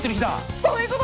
そういうこと！